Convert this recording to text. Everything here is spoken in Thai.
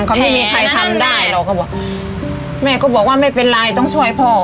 เขาไม่มีใครทำได้เราก็บอกแม่ก็บอกว่าไม่เป็นไรต้องช่วยพ่อ